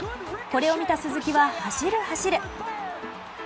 これを見た鈴木は、走る走る！